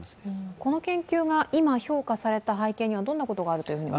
この研究が今、評価された背景には、どんなことがあると思われますか？